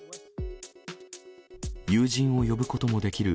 友人を呼ぶこともできる